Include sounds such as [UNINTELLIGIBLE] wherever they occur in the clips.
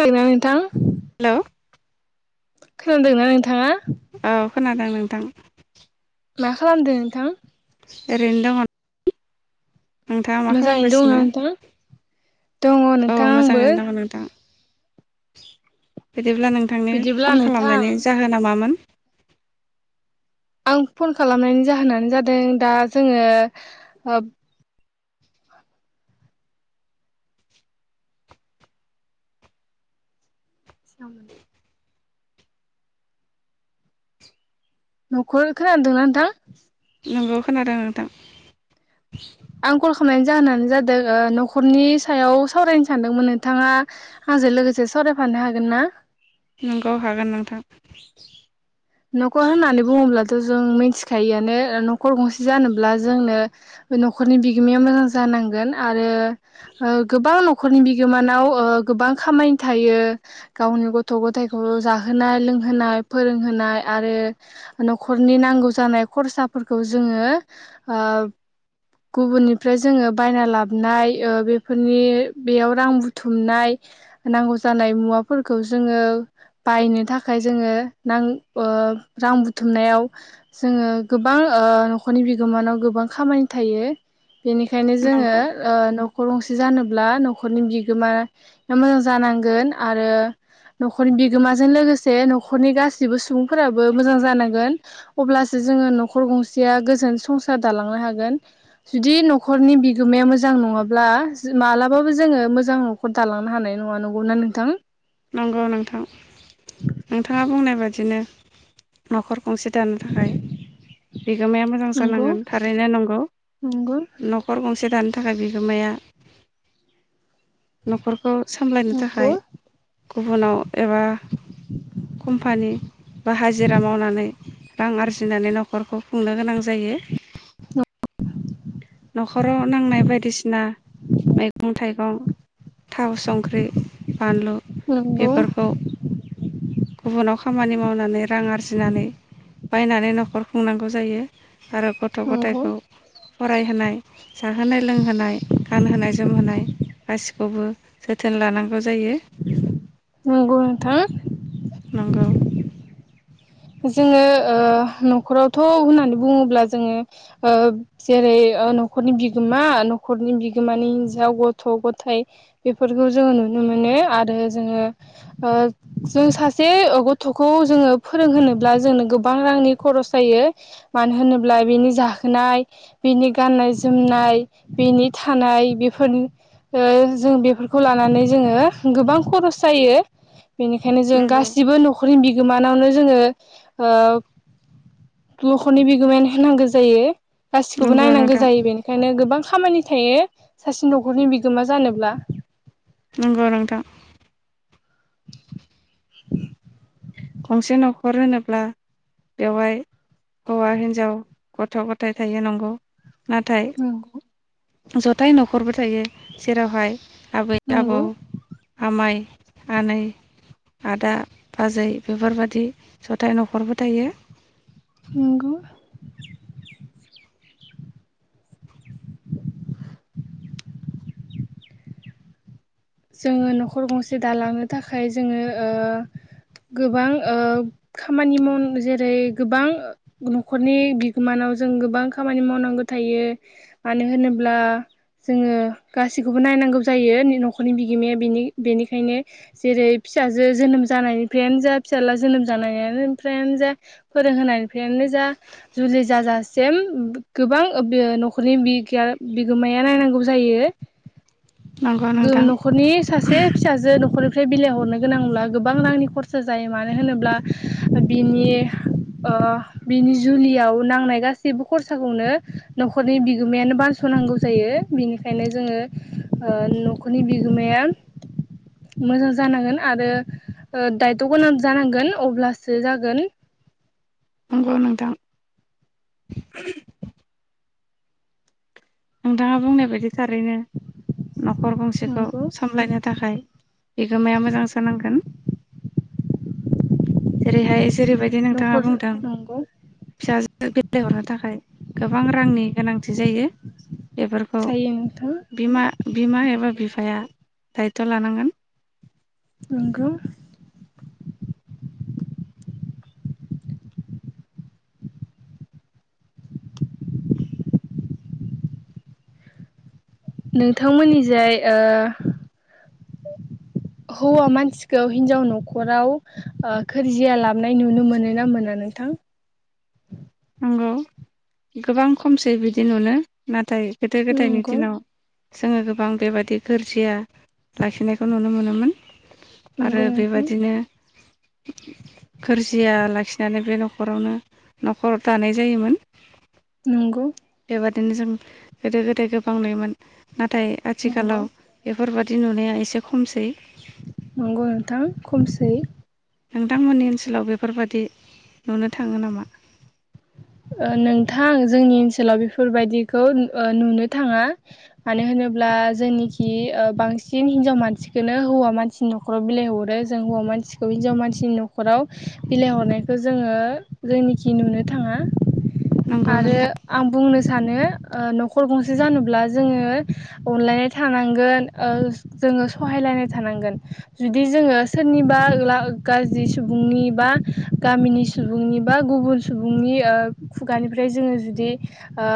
खोनादों ना नोंथां हेलौ खोनादों ना नोंथाङा औ खोनादों नोंथां मा खालामदों नोंथां ओरैनो दं मोजाङैनो दङना नोंथाङा दङ औ नोंथां आंबो मोजाङैनो दङ नोंथां [INAUDIBLE] बिदिब्ला नोंथांनि बिदिब्ला फन नोंथां खालामनायनि जाहोना मामोन आं फन खालामनायनि जाहोनानो जादों दा जोङो [INAUDIBLE] न'खर खोनदोंना नोंथां नोंगौ खोनादों नोंथां आंकल खालामनायनि जाहोनानो जादों न'खरनि सायाव सावरायनो सानदोंमोन नोंथाङा आंजों लोगोसे सावरायफानो हागोन ना नोंगौव हागोन नोंथां न'खर होननानै बुङोब्लाथ' जों मिथिखायोआनो ओ न'खर गंसे जानोब्ला जोंनो न'खरनि बिगोमाया मोजां जानांगोन आरो ओ गोबां नखर न'खरनि बिगोमानाव ओ गोबां खामानि थायो गावनि गथ' गथाइखौ जाहोनाय लोंहोनाय फोरोंहोनाय आरो न'खरनि नांगौ जानाय खरसाफोरखौ जोङो ओ गुबुननिफ्राय जोङो बायना लाबोननाय ओ बेफोरनि बेयाव रां बुथुमनाय नांगौ जानाय मुवाफोरखौ जोङो बायनो थाखाय जोङो नांगौ जानाय ओ रां बुथुमनायाव जोङो गोबां ओ न'खरनि बिगोमानाव गोबां खामानि थायो बेनिखायनो जोङो नंगौ ओ न'खर गंसे जानोब्ला न'खरनि बिगोमा मोजां जानांगोन आरो न'खरनि बिगोमाजों लोगोसे न'खरनि गासिबो सुबुंफोराबो मोजां जानांगोन अब्लासो जोङो न'खर गंसेया गोजोन संसार दालांनो हागोन जुदि न'खरनि बिगोमाया मोजां नङाब्ला मालाबाबो जोङो मोजां न'खर दालांनो हानाय नङा नंगौना नोंथां नंगौ नोंथां नोंथाङा बुंनाय बायदि बिदिनो न'खर गंसे दानो थाखाय बिगोमाया मोजां नंगौ जानांगोन थारैनो नंगौ नंगौ न'खर गंसे दानो थाखाय बिगोमाया न'खरखौ सामलायनो नंगौ थाखाय गुबुनाव एबा कम्पानि बा हाजिरा मावनानै रां आरजिनानै न'खरखौ खुंनो गोनां जायो न'खराव नांनाय बायदिसिना मैगं थाइगं थाव संख्रि बानलु नंगौ बेफोरखौ गुबुनाव खामानि मावनानै रां आरजिनानै बायनानै न'खर खुंनांगौ जायो आरो गथ' नंगौ गथायखौ फरायहोनाय जाहोनाय लोंहोनाय गानहोनाय जोमहोनाय गासिखौबो खौबो जोथोन लानांगौ जा नंगौ नोंथां नंगौ जोङो ओ न'खरावथ' होननानै बुङोब्ला जोङो ओ जेरै न'खरनि बिगोमा न'खरनि बिगोमानि हिन्जाव गथ' गथाय बेफोरखौ जोङो नुनो मोनो आरो जोङो ओ जों सासे गथ'खौ जोङो फोरोंहोब्ला जोंनो गोबां रांनि खरस जायो मानो होनोब्ला बेनि जाहोनाय बेनि गाननाय जोमनाय बिनि थानाय बेफोरनि ओ जों बेफोरखौ लानानै जोङो गोबां खरस जायो बेनिखायनो जों नंगौ गासिबो न'खरनि बि [UNINTELLIGIBLE] जोङो ओ नखरनि बिगोमा होनांगौ जायो गासिखौबो नंगौ नायनांगौ नोंथां जायो बेनिखायनो गोबां खामानि थायो सासे न'खरनि बिगोमा जानोब्ला नंगौ नोंथां [INAUDIBLE] गंसे न'खर होनोब्ला बेवहाय हौवा हिनजाव गथ' गथाय थायो नंगौ नाथाय नंगौ जथाय न'खरबो थायो जेरावहाय आबै नंगौ आबौ आमाय आनै आदा बाजै बेफोरबायाददि जथाय न'खरबो थायो नंगौ जोङो न'खर गंसे दालांनो थाखाय जोङो ओ गोबां ओ खामानि माव जेरै गोबां न'खरनि बिगोमानाव जों गोबां खामानि मावनांगौ थायो मानो होनोब्ला जोङो गासैखौबो नायनांगौ जायो नखर नखरनि बिगोमायानि बेनिखायनो जेरै फिसाजो जोनोम जानायनिफ्रायानो जा फिसाज्ला जोनोम जानायनिफ्रायानो जा फोरोंहोनायनिफ्रायानो जा जुलि जाजासिम गोबां न'खरनि बिगोमाया नायनांगौ जायो नंगौ नोंथां न'खरनि सासे फिसाजो न'खरनि फ्राय बिलाइ हरनो गोनांब्ला गोबां रांनि खरसा जायो मानो होनोब्ला बिनि ओ बिनि जुलियाव नांनाय गासैबो खरसाखौनो न'खरनि बिगोमायानो बानस'नांगौ जायो बिनिखायनो जोङो ओ न खरनि बिगोमाया मोजां जानांगोन आरो दायथ' गोनां जानांगोन अब्लासो जागोन नंगौ नोंथां नोंथाङा बुंनाय बायदि थारैनो न'खर गंसेखौ नंगौ सामलायनो थाखाय बिगोमाया मोजांसो नांगोन जेरै हाय जेरैबायदि नोंथाङा न'खर बुंदों नंगौ फिसाजो बिलाइहरनो थाखाय गोबां रांनि गोनांथि जायो बेफोरखौ जायो नोंथां बिमा बिमा एबा बिफाया दायथ' लानांगोन नंगौ नोंथांमोननिजाय ओ हौवा मानसिखौ हिनजाव न'खराव ओ गोरजिया लाबोनाय नुनो मोनो ना मोना नोंथां नंगौ गोबां खमसै बिदि नुनो नाथाय गोदो गोदायनि नंगौ दिनाव जोङो गोबां बेबादि गोरजिया लाखिनायखौ नुनो मोनोमोन आरो नंगौ नोंथां बेबायादिनो गोरजिया लाखिनानै बे न'खरावनो खर दानाय जायोमोन नंगौ बेबादिनो जों गोदो गोदाय गोबां नुयोमोन नाथाय नंगौ आथिखालाव बेफोरबादि बिदि नुनाया एसे खमसै नंगौ नोंथां खमसै नोंथांमोननि ओनसोलाव बेफोरबादि नुनो थाङो नामा ओ नोंथां जोंनि ओनसोलाव बेफोरबायदिखौ नुनो थाङा मानो होनोब्ला जोंनिखि बांसिन हिनजाव मानसिखौनो हौवा मानसिनि न'खराव बिलाइ हरो जों हौवा मानसिखौ हिनजाव मानसिनि न'खराव बिलाइ हरनायखौ जोङो जोंनिखि नुनो थाङा नंगौ आरो नोंथां आं बुंनो सानो ओ नखर नखर गंसे जानोब्ला जोङो अनलायनाय थानांगोन जोङो सहायलायनाय थानांगोन जुदि जोङो सोरनिबा गाज्रि सुबुंनि बा गामिनि सुबुंनि बा गुबुन सुबुंनि खुगानिफ्राय जोङो जुदि ओ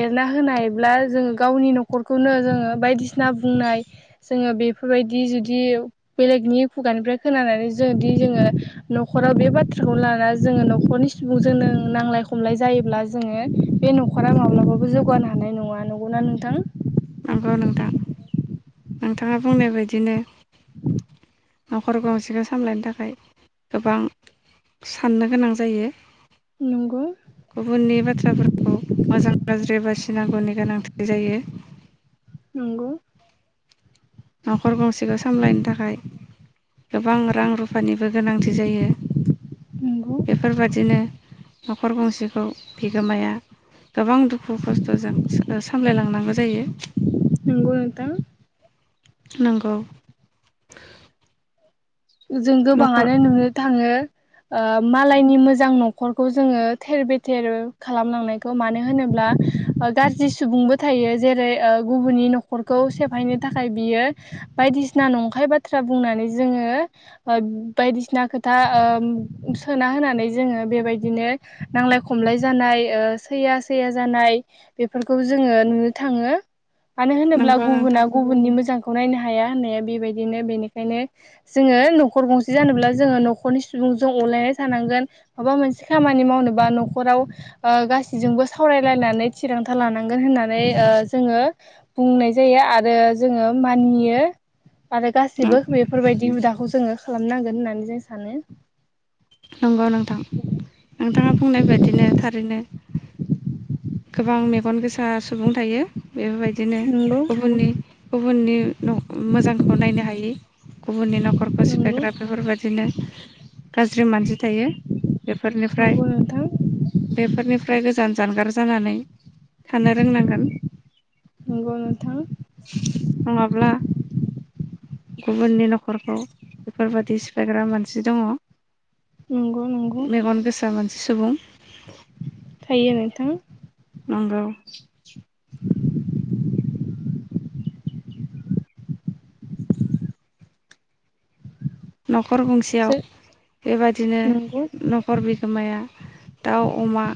एरना होनायब्ला जोङो गावनि न'खरखौनो जोङो बायदिसिना बुंनाय जोङो बेफोरबायदि जुदि बेलेगनि खुगानिफ्राय खोनानानै जों जुदि जोङो न'खराव बे बाथ्राखौ लानानानै जोङो न'खरनि सुबुंजोंनो नांलाय खमलाय जायोब्ला जोङो बे न'खरा माब्लाबाबो जौगानो हानाय नङा नंगौना नोंथां नंगौ नोंथां नोंथाङा बुंनाय बायदिनो न'खराव गंसेखौ सामलायनो थाखाय गोबां साननो गोनां जायो नंगौ गुबुननि बाथ्राफोरखौ मोजां गाज्रि बासिनांगौनि गोनांथि जायो नंगौ न'खर गंसेखौ सामलायनो थाखाय गोबां रां रुफानिबो गोनांथि जायो नंगौ बेफोरबादिनो न'खर गंसेखौ बिगोमाया गोबां दुखु दुखु खस्थ'जों सामलायलांनांगौ जायो नंगौ नोंथां नंगौ जों न'खर गोबाङानो नुनो थाङो ओ मालायनि मोजां न'खरखौ जोङो थेर बेथेर खालामलांनायखौ मानो होनोब्ला गाज्रि सुबुंबो थायो जेरै ओ गुबुननि न'खरखौ सेफायनो थाखाय बियो बायदिसिना नंखाय बाथ्रा बुंनानै जोङो ओ बायदिसिना खोथा ओ सोना होनानै जोङो बेबायदिनो नांलाय खमलाय जानाय ओ सैया सैया जानाय बेफोरखौ जोङो नुनो थाङो मानो होनोब्ला नंगौ नोंथां गुबुना गुबुननि मोजां खौ नायनो हाया होननाया बेबायदिनो बेनिखायनो जोङो न'खर गंसे जानोब्ला जोङो न'खरनि सुबुंजों अनलायना थानांगोन माबा मोनसे खामानि मावनोबा न'खराव ओ गासैजोंबो सावरायलायनानै थिरांथा लानांगोन होननानै ओ जोङो बुंनाय जायो आरो जोङो मानियो आरो गासिबो बेफोरबायदि जोङो खालामनांगोन होननानै जों सानो नंगौ नोंथां नोंथाङा बुंनाय बायदिनो थारैनो गोबां मेगन गोसा सुबुं थायो बेफोरबाय दिनो नंगौ गुबुननि गुबुननि न मोजांखौ नायनो हायि गुबुननि न'खरखौ नंगौ सिफायग्रा बेफोरबादिनो ज्रि मानसि थायो बेफोरनिफ्राय नंगौ नोंथां बेफोरनिफ्राय गोजान जानगार जानानै थानो रोंनांगोन नंगौ नोंथां नङाब्ला गुबुननि न'खरखौ बेफोरबायदि सिफायग्रा मानसि दङ नंगौ नंगौ मेगन गोसा मानसि सुबुं थायो नोंथां नंगौ न' खर गंसेयाव सो बेबादिनो नंगौ न'खर बिगोमाया दाउ अमा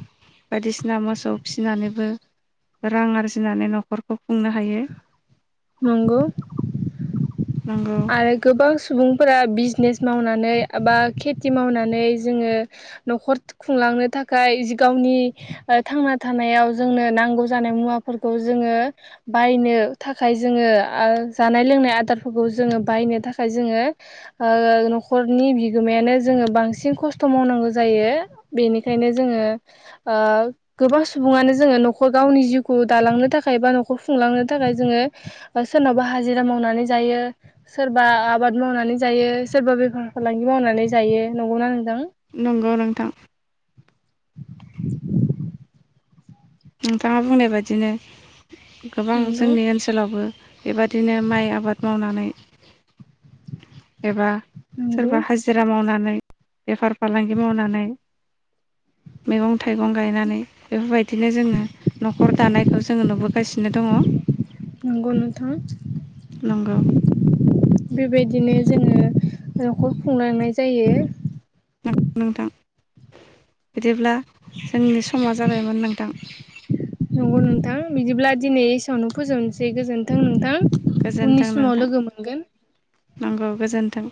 बायदिसिना मोसौ फिसिनानैबो रां आरजिनानै न'खरखौ खुंनो हायो नंगौ नंगौ आरो गोबां सुबुंफोरा बि जनेस मावनानै बा खेथि मावनानै जोङो न'खर खुंलांनो थाखाय जि गावनि थांना थानायाव जोंनो नांगौ जानाय मुवाफोरखौ जोङो बायनो थाखाय जोङो आ जानाय लोंनाय आदार खौबो जोङो बायनो थाखाय जोङो ओ न'खरनि बिगोमायानो जोङो बांसिन खस्थ' मावनांगौ जायो बेनिखायनो जोङो ओ गोबां सुबुङानो जोङो न'खर गावनि जिउखौ दालांनो थाखाय बा न'खर खुंलांनो थाखाय जोङो सोरनावबा हाजिरा मावनानै जायो सोरबा आबाद मावनानै जायो सोरबा बेफार फालांगि मावनानै जायो नंगौना नोंथां नंगौ नोंथां [INAUDIBLE] नोंथाङा बुंनाय बायदिनो गोबां नंगौ जोंनि ओनसोलावबो बेबादिनो माइ आबाद मावनानै एबा नंगौ सोरबा हाजिरा मावनानै बेफार फालांगि मावनानै मैगं थाइगं गायनानै बेफोरबाय दिनो जोङो न'खर दानायखौ जोङो नुबोगासिनो दङ नंगौ नोंथां नंगौ बेबायदिनो जोङो न'खर खुंलांनाय जायो नोंथां बिदिब्ला जोंनि समा जाबायमोन नोंथां नंगौ नोंथां बिदिब्ला दिनै इसेयावनो फोजोबनोसै गोजोनथों गोजोन्थों नोंथां मोनगोन। नंगौ गोजोन्थों